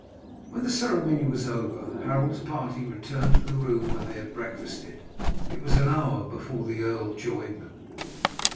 When the ceremony was over, Harold's party returned to the room where they had breakfasted. It was an hour before the earl joined them.